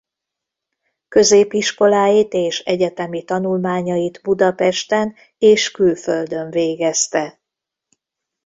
Középiskoláit és egyetemi tanulmányait Budapesten és külföldön végezte.